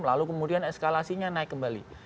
lalu kemudian eskalasinya naik kembali